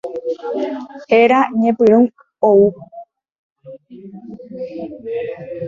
Héra ñepyrũ ou.